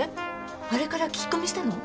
あれから聞き込みしたの？